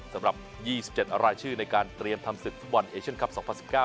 สำหรับยี่สิบเจ็ดรายชื่อในการเตรียมทำศึกฟุตบอลเอเชียนคับสองพันสิบเก้า